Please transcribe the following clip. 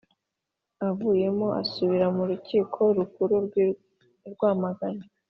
Avuyemo asubira mu Rukiko Rukuru i Rwamagana